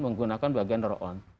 menggunakan bagian roll on